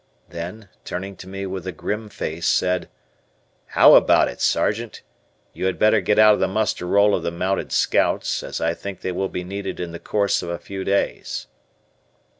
Then, turning to me with a grim face, said: "How about it, Sergeant? You had better get out the muster roll of the Mounted Scouts, as I think they will be needed in the course of a few days."